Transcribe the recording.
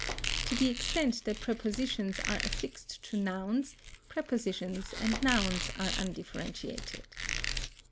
To the extent that prepositions are affixed to nouns, prepositions and nouns are undifferentiated.